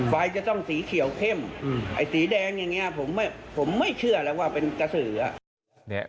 ไฟจะต้องสีเขียวเข้มไอ้สีแดงอย่างนี้ผมไม่เชื่อแล้วว่าเป็นกระสือ